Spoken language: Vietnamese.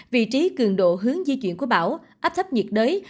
vị trí cường độ hướng di chuyển của bão áp thấp nhiệt đới